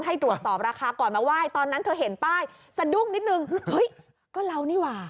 ให้ตรวจสอบราคาก่อนมาไหว้ตอนนั้นเธอเห็นป้ายสะดุ้งนิดนึงเฮ้ยก็เรานี่หว่า